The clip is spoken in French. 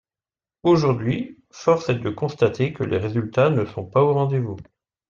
Aujourd’hui, force est de constater que les résultats ne sont pas au rendez-vous.